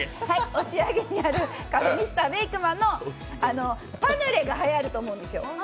押上にあるカフェＭｒ．Ｂａｋｅｍａｎのパヌレがはやると思うんですよ。